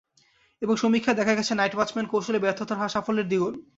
এবং সমীক্ষায় দেখা গেছে, নাইট ওয়াচম্যান কৌশলে ব্যর্থতার হার সাফল্যের দ্বিগুণ।